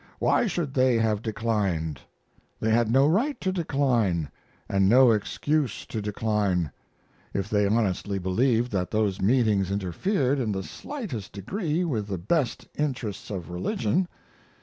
Why should they have declined? They had no right to decline, and no excuse to decline, if they honestly believed that those meetings interfered in the slightest degree with the best interests of religion.